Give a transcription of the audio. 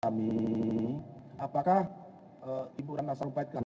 apakah ibu rana sarumpet keadaan